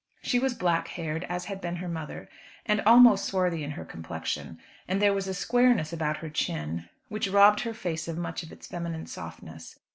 She was black haired, as had been her mother's, and almost swarthy in her complexion, and there was a squareness about her chin which robbed her face of much of its feminine softness.